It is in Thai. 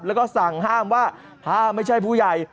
แล้วก็สั่งห้ามว่าถ้าไม่ใช่ผู้ใหญ่